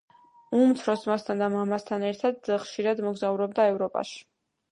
უმცროს ძმასთან და მამასთან ერთად ხშირად მგზავრობდა ევროპაში.